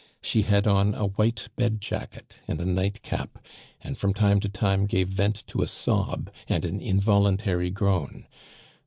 She had on a white bed jacket and a nightcap, and from time to time gave vent to a sob and an involuntary groan.